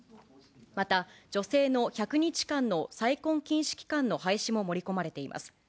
また女性の１００日間の再婚禁止期間の廃止も盛り込まれています。